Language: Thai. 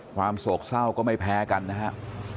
โศกเศร้าก็ไม่แพ้กันนะครับ